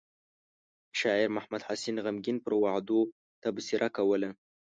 شاعر محمد حسين غمګين پر وعدو تبصره کوله.